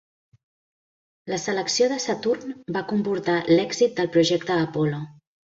La selecció de Saturn va comportar l'èxit del projecte Apollo.